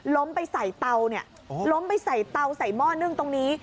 ล้มไปใส่เตาเนี่ยล้มไปใส่เตาใส่หม้อนึ่งตรงนี้